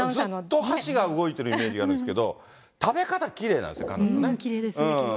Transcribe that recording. ずっと箸が動いているイメージがあるんですけど、食べ方きれきれいですね。